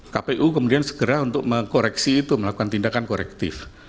kpu kemudian segera untuk mengkoreksi itu melakukan tindakan korektif